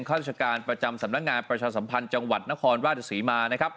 เป็นก้านศิลป์ประจำสำนักงานประชาสัมพันธ์จังหวัดนครว่าตะ๋สมานะครับ